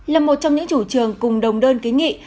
là một trong những chủ trường cùng đồng đơn ký nghị